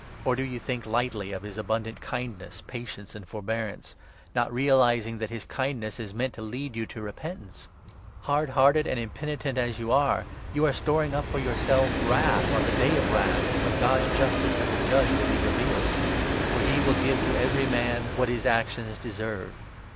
Or do you think lightly of his 4 abundant kindness, patience, and forbearance, not realizing that his kindness is meant to lead you to repentance ? Hard 5 hearted and impenitent as you are, you are storing up for yourself Wrath on the ' Day of Wrath,' when God's justice as a judge will be revealed ; for ' he will give to every man what 6 his actions deserve.'